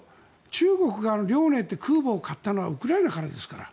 中国の「遼寧」という空母を買ったのはウクライナからですから。